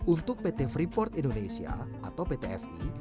untuk pt freeport indonesia atau pt fi